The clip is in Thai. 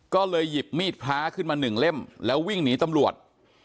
ก็เลยหยิบมีดพระขึ้นมาหนึ่งเล่มแล้ววิ่งหนีตำรวจ